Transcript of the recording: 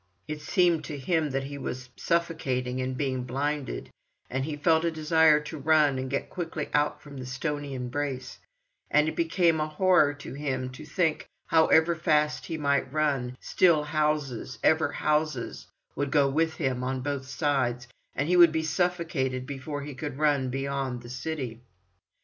It seemed to him that he was suffocating and being blinded, and he felt a desire to run and get quickly out from the stony embrace—and it became a horror to him to think, however fast he might run, still houses, ever houses, would go with him on both sides, and he would be suffocated before he could run beyond the city.